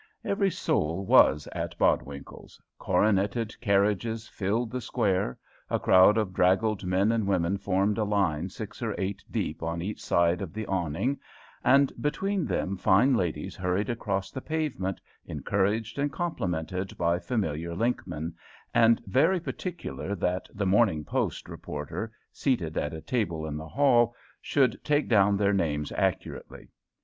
Every soul was at Bodwinkle's coroneted carriages filled the square; a crowd of draggled men and women formed a line six or eight deep on each side of the awning, and between them fine ladies hurried across the pavement, encouraged and complimented by familiar linkmen, and very particular that the 'Morning Post' reporter, seated at a table in the hall, should take down their names accurately.